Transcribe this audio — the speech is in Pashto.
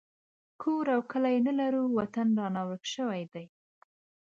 کور او کلی نه لرو وطن رانه ورک شوی دی